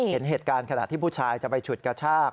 เห็นเหตุการณ์ขณะที่ผู้ชายจะไปฉุดกระชาก